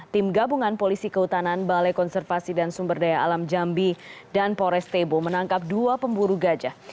tim gabungan polisi kehutanan balai konservasi dan sumber daya alam jambi dan pores tebo menangkap dua pemburu gajah